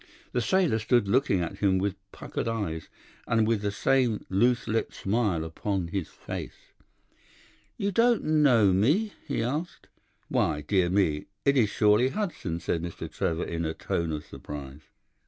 "The sailor stood looking at him with puckered eyes, and with the same loose lipped smile upon his face. "'You don't know me?' he asked. "'Why, dear me, it is surely Hudson,' said Mr. Trevor in a tone of surprise.